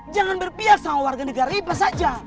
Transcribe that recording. jangan berpihak sama warga negara ibas saja